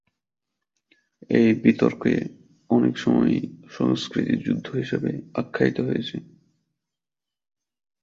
এই বিতর্ককে অনেক সময়ই সংস্কৃতি যুদ্ধ হিসেবে আখ্যায়িত করা হয়েছে।